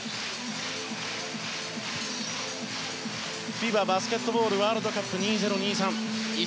ＦＩＢＡバスケットボールワールドカップ２０２３１